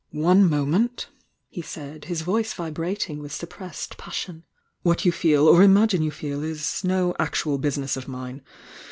"One moment I" he said, his voice vibrating with juppressed passion. "What vou feel, or imagine you feel, u no actual bu8ine<^' of mine.